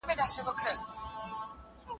د دې ګل په اړه یوه اسطوره هم شته.